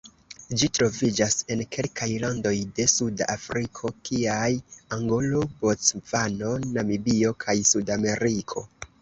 Ĝi troviĝas en kelkaj landoj de Suda Afriko kiaj Angolo, Bocvano, Namibio kaj Sudafriko.